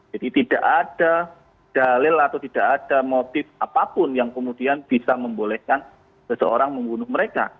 jadi tidak ada dalil atau tidak ada motif apapun yang kemudian bisa membolehkan seseorang membunuh mereka